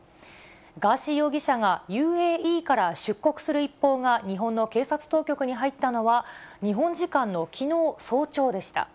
ガーシー容疑者がＵＡＥから出国する一報が、日本の警察当局に入ったのは、日本時間のきのう早朝でした。